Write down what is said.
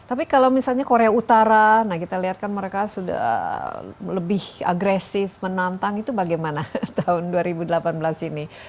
tapi kalau misalnya korea utara nah kita lihat kan mereka sudah lebih agresif menantang itu bagaimana tahun dua ribu delapan belas ini